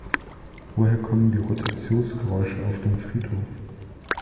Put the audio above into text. Woher kommen die Rotationsgeräusche auf dem Friedhof?